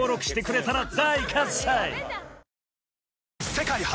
世界初！